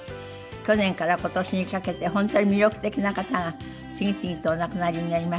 去年から今年にかけて本当に魅力的な方が次々とお亡くなりになりました。